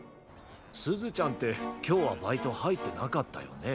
すずちゃんってきょうはバイトはいってなかったよね？